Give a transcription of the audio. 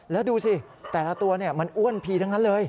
แล้วดูสิแต่ละตัวมันอ้วนพีทั้งนั้นเลย